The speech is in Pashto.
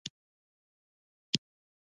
آزاد تجارت مهم دی ځکه چې تخمونه ښه کوي.